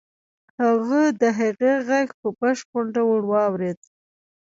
هغه د هغې غږ په بشپړ ډول واورېد.